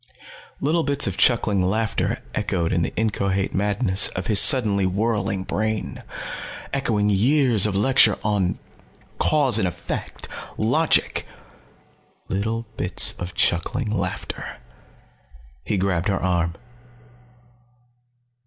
Little bits of chuckling laughter echoed in the inchoate madness of his suddenly whirling brain. Echoing years of lecture on cause and effect, logic. Little bits of chuckling laughter. He grabbed her arm.